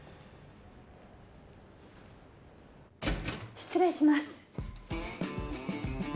失礼します。